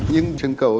nhưng chân cầu